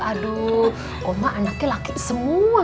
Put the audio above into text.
aduh oma anaknya laki semua